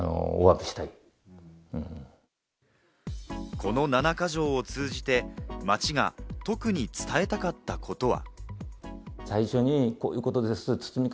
この七か条を通じて町が特に伝えたかったことは。